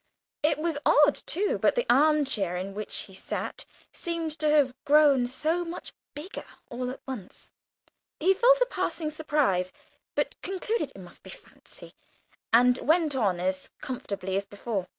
It was odd, too, but the arm chair in which he sat seemed to have grown so much bigger all at once. He felt a passing surprise, but concluded it must be fancy, and went on as comfortably as before.